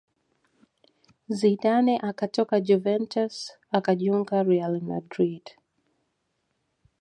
Zidane akatoka Juventus akajiunga real madrid